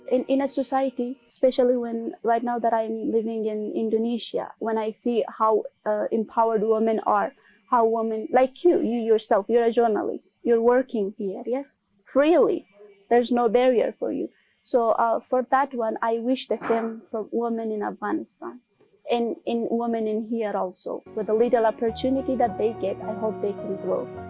dengan peluang yang sedikit yang mereka dapatkan saya harap mereka bisa berkembang